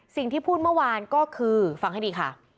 สิ่งที่พูดเมื่อวานก็คือฟังให้ดีค่ะ